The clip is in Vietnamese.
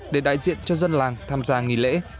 để đại diện cho dân làng tham gia nghỉ lễ